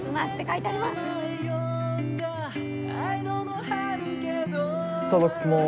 いっただっきます。